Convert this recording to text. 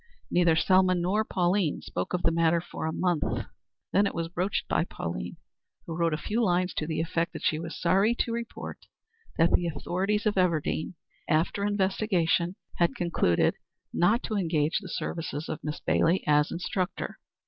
Neither Selma nor Pauline spoke of the matter for a month. Then it was broached by Pauline, who wrote a few lines to the effect that she was sorry to report that the authorities of Everdean, after investigation, had concluded not to engage the services of Miss Bailey as instructor.